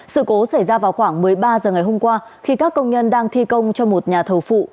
sự cố xảy ra vào khoảng một mươi ba h ngày hôm qua khi các công nhân đang thi công cho một nhà thầu phụ